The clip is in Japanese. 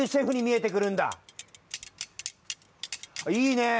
いいね。